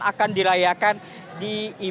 akan dirayakan di jawa timur